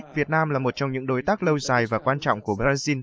việt nam là một trong những đối tác lâu dài và quan trọng của brazil